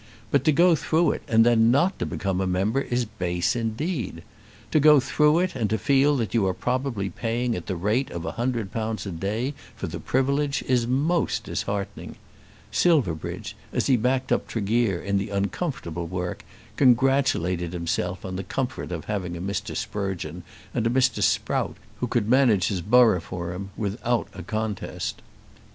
But to go through it and then not to become a member is base indeed! To go through it and to feel that you are probably paying at the rate of a hundred pounds a day for the privilege is most disheartening. Silverbridge, as he backed up Tregear in the uncomfortable work, congratulated himself on the comfort of having a Mr. Sprugeon and a Mr. Sprout who could manage his borough for him without a contest.